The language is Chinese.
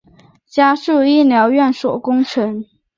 加速医疗院所工程